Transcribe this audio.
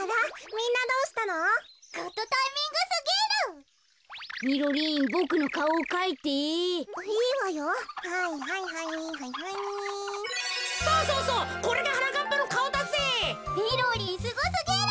みろりんすごすぎる。